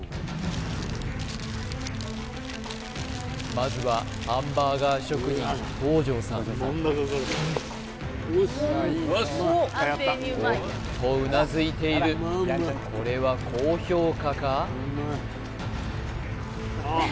まずはハンバーガー職人東條さんおっとうなずいているこれは高評価か？